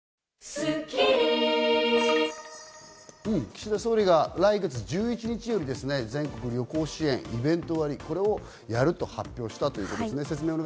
岸田総理が来月１１日より全国旅行支援・イベント割、これをやると発表したということですね。